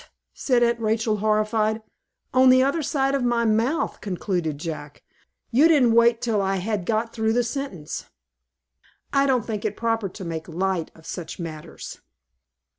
said Aunt Rachel, horrified. "On the other side of my mouth," concluded Jack. "You didn't wait till I had got through the sentence." "I don't think it proper to make light of such matters."